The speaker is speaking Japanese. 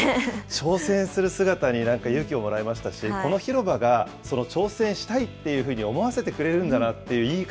挑戦する姿になんか勇気をもらいましたし、この広場がその挑戦したいっていうふうに思わせてくれるんだなっ